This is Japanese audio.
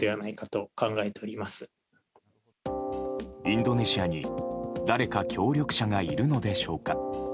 インドネシアに誰か協力者がいるのでしょうか。